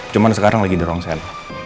cuma sekarang lagi di rongsen